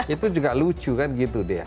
itu juga lucu kan gitu deh